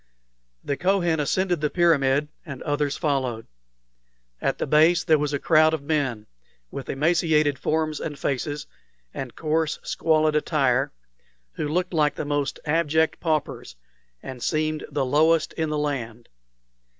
The Kohen ascended the pyramid, and others followed. At the base there was a crowd of men, with emaciated forms and faces, and coarse, squalid attire, who looked like the most abject paupers, and seemed the lowest in the land.